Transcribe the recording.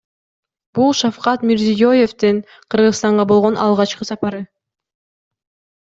Бул Шавкат Мирзиёевдин Кыргызстанга болгон алгачкы сапары.